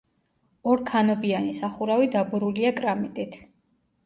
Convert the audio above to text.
ორქანობიანი სახურავი დაბურულია კრამიტით.